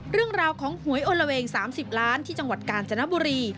เรื่องราวของหวยอลละเวง๓๐ล้านที่จังหวัดกาญจนบุรี